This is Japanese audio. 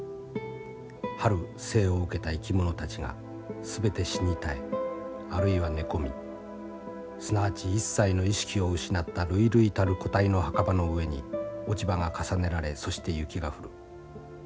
春生を受けた生き物たちが全て死に絶えあるいは寝込みすなわち一切の意識を失った累々たる個体の墓場の上に落ち葉が重ねられそして雪が降る。